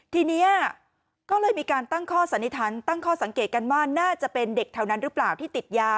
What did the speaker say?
ทีนี้ก็เลยมีการตั้งข้อสันนิษฐานตั้งข้อสังเกตกันว่าน่าจะเป็นเด็กแถวนั้นหรือเปล่าที่ติดยา